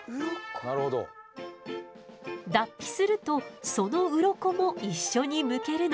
脱皮するとそのウロコも一緒にむけるの。